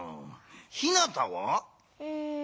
ひなたは？